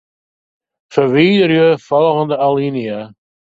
Ferwiderje folgjende alinea.